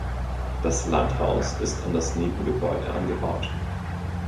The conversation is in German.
Das Landhaus ist an das Nebengebäude angebaut.